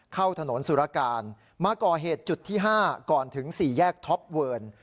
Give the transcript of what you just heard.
เข้าถนนสุรการมาก่อเหตุจุดที่๕ก่อนถึง๔แยกท็อปเวิร์น